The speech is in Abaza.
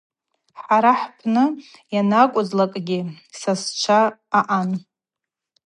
Хӏара хӏпны йанакӏвызлакӏгьи сасчва аъан.